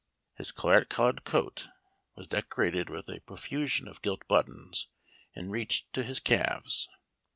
His claret colored coat was decorated with a profusion of gilt buttons, and reached to his calves.